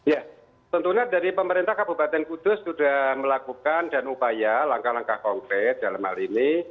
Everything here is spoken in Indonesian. ya tentunya dari pemerintah kabupaten kudus sudah melakukan dan upaya langkah langkah konkret dalam hal ini